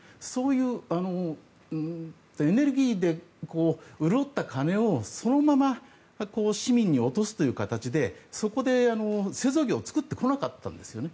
そういうエネルギーで潤った金をそのまま市民に落とすという形でそこで製造業を作ってこなかったんです。